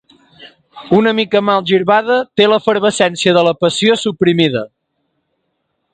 Una mica malgirbada, té l'efervescència de la passió suprimida.